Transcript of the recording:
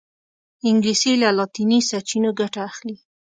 انګلیسي له لاطیني سرچینو ګټه اخلي